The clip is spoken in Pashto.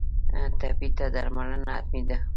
ټپي ته درملنه حتمي ده.